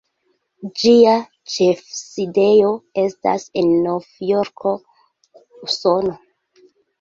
Ĝia ĉefsidejo estas en Novjorko, Usono.